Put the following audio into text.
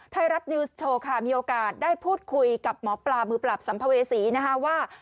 ไทยรัฐนิวส์โชว์ค่ะมีโอกาสได้พูดคุยกับหมอปลามือปราบสัมภเวษีนะคะว่า